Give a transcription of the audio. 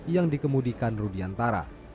yang dikemudikan rudiantara